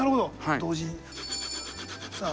同時に！